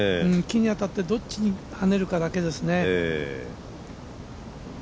木に当たって、どっちに跳ねるかですね。